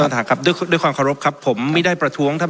ต้อนฐานครับด้วยความขอรบครับผมไม่ได้ประทวงท่าน